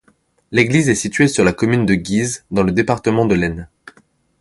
L'église est située sur la commune de Guise, dans le département de l'Aisne.